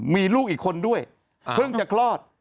มีลูกอีกคนด้วยเพิ่งจะคลอด